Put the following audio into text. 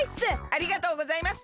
ありがとうございます！